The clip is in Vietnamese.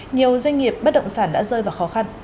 nhiều doanh nghiệp bất động sản đã rơi vào khó khăn